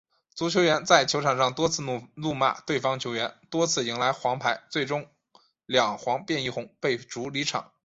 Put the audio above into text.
足球员在球场上多次怒骂对方球员，多次迎来黄牌，最后两黄变一红，被逐离场。